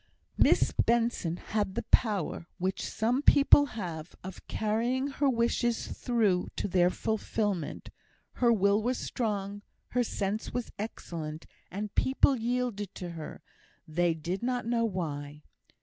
Miss Benson had the power, which some people have, of carrying her wishes through to their fulfilment; her will was strong, her sense was excellent, and people yielded to her they did not know why.